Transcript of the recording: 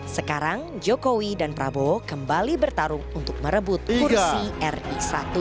sekarang jokowi dan prabowo kembali bertarung untuk merebut kursi ri satu